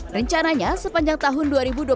rencananya sepanjang tahun dua ribu dua puluh satu